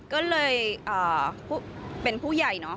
ก็เลยเป็นผู้ใหญ่